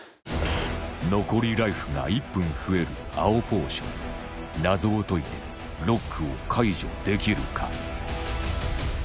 残りライフが１分増える青ポーション謎を解いてロックを解除できるか？